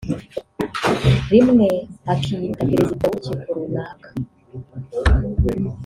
rimwe akiyita Perezida w’urukiko runaka